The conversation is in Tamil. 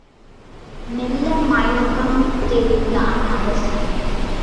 மெல்ல மயக்கம் தெளிந்தான் அரசன்.